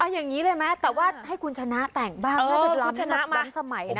อย่างนี้เลยไหมแต่ว่าให้คุณชนะแต่งบ้างน่าจะล้ำนับสมัยนะ